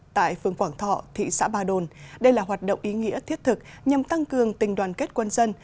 tại phường quảng thọ thị xã ba đồn đây là hoạt động ý nghĩa thiết thực nhằm tăng cường tình đoàn kết quân dân